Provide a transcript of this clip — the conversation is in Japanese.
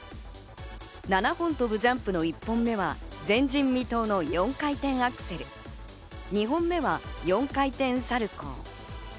７本跳ぶジャンプの１本目は前人未到の４回転アクセル、２本目は４回転サルコー。